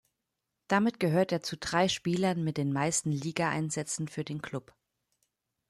Damit gehört er zu drei Spielern mit den meisten Ligaeinsätzen für den Klub.